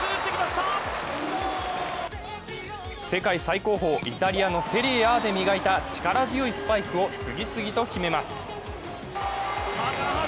世界最高峰、イタリアのセリエＡで磨いた力強いスパイクを次々と決めます。